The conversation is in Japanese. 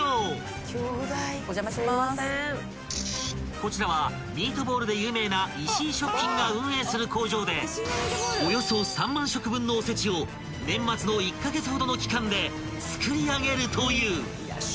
［こちらはミートボールで有名な石井食品が運営する工場でおよそ３万食分のおせちを年末の１カ月ほどの期間で作り上げるという］